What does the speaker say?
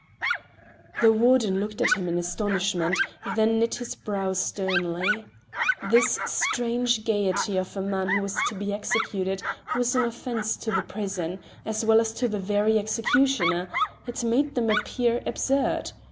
The warden looked at him in astonishment, then knit his brow sternly. This strange gayety of a man who was to be executed was an offence to the prison, as well as to the very executioner; it made them appear absurd.